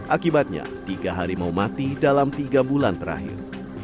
akibatnya tiga harimau mati dalam tiga bulan terakhir